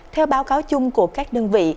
theo báo cáo chung của các đơn vị